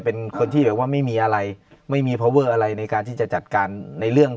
เป็นคนที่แบบว่าไม่มีอะไรไม่มีพอเวอร์อะไรในการที่จะจัดการในเรื่อง